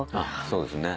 そうですね。